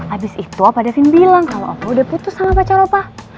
abis itu opa davin bilang kalo opa udah putus sama pacar opa